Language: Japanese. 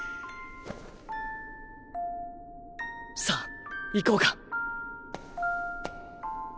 さあ行こうか。